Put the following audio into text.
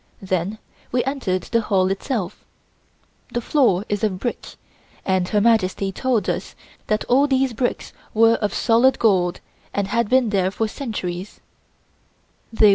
Then we entered the hall itself. The floor is of brick, and Her Majesty told us that all these bricks were of solid gold and had been there for centuries.